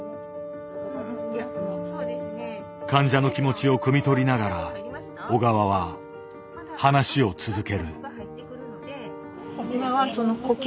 患者の気持ちをくみ取りながら小川は話を続ける。